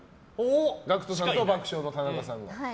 ＧＡＣＫＴさんと爆笑問題の田中さん。